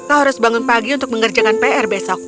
kau harus bangun pagi untuk mengerjakan pr besok